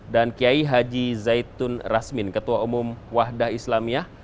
dan kiai haji zaitun rasmin ketua umum wahdah islamiyah